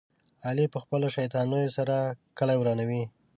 علي په خپلو شیطانیو سره کلي ورانوي.